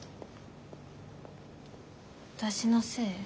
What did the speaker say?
私のせい？